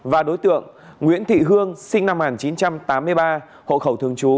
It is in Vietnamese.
và đối tượng nguyễn thị hương sinh năm một nghìn chín trăm tám mươi ba hộ khẩu thường trú